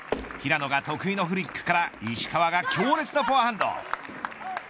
平野が得意のフリックから石川が強烈なフォアハンド。